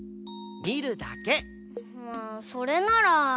まあそれなら。